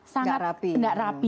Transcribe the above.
sangat tidak rapi